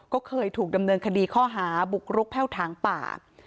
ก็เคยถูกดำเนินคดีข้อหาบุกรุกแพ่วถางป่า